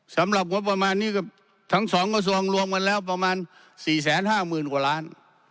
สำหรับงบประมาณนี้ก็ทั้ง๒กระทรวงรวมกันแล้วประมาณ๔๕๐๐๐กว่าล้าน